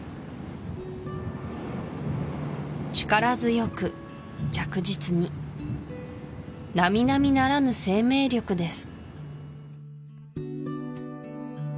力強く着実になみなみならぬ生命力です